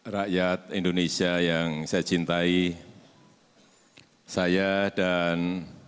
rakyat indonesia yang saya cintai saya dan